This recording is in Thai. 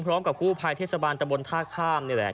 พร้อมกับกู้ภัยเทศบาลตะบนท่าข้ามนี่แหละ